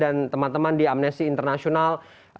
dan teman teman di amnesti internasional